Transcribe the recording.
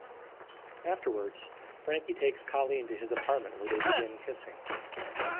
Afterwards, Frankie takes Colleen to his apartment where they begin kissing.